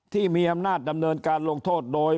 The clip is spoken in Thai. ที่มีอำนาจดำเนินการลงโทษโดย